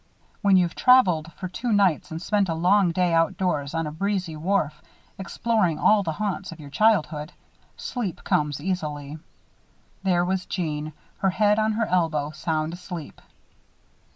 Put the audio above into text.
When you've traveled for two nights and spent a long day outdoors on a breezy wharf, exploring all the haunts of your childhood, sleep comes easily. There was Jeanne, her head on her elbow, sound asleep.